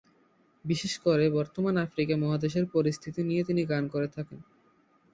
বিশেষ করে বর্তমান আফ্রিকা মহাদেশের পরিস্থিতি নিয়ে তিনি গান করে থাকেন।